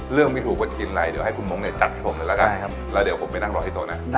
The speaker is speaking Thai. เรื่องไม่ถูกกว่าที่กิน